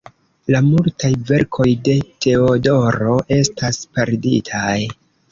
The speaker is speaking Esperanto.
La multaj verkoj de Teodoro estas perditaj.